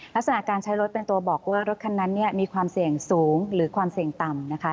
ลักษณะการใช้รถเป็นตัวบอกว่ารถคันนั้นเนี่ยมีความเสี่ยงสูงหรือความเสี่ยงต่ำนะคะ